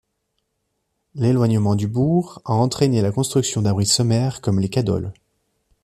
L’éloignement du bourg a entraîné la construction d’abris sommaires comme les cadoles.